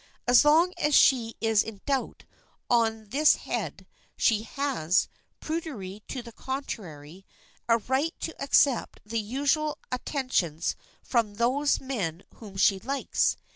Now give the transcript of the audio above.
As long as she is in doubt on this head she has, prudery to the contrary, a right to accept the usual attentions from those men whom she likes.